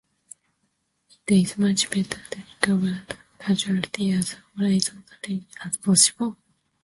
It is much better to recover the casualty as horizontally as possible.